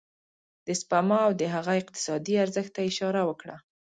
د سپما او د هغه اقتصادي ارزښت ته يې اشاره وکړه.